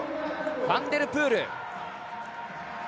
ファンデルプール。